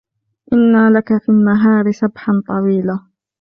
إِنَّ لَكَ فِي النَّهَارِ سَبْحًا طَوِيلا